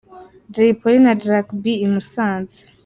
Jay Polly na Jack B i Musanze.